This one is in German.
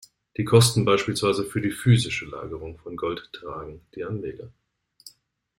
Die Kosten beispielsweise für die physische Lagerung von Gold tragen die Anleger.